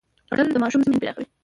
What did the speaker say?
خوړل د ماشوم ذهن پراخوي